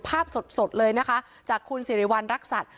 สดเลยนะคะจากคุณสิริวัณรักษัตริย์